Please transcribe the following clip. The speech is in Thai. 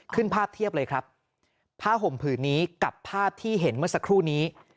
ภาพเทียบเลยครับผ้าห่มผืนนี้กับภาพที่เห็นเมื่อสักครู่นี้